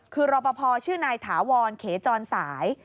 คือรอปภชื่อนายถาวรเขจรสาย